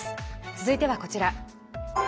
続いてはこちら。